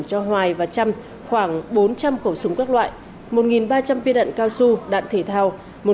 cho hoài và trâm khoảng bốn trăm linh khẩu súng các loại một ba trăm linh viên đạn cao su đạn thể thao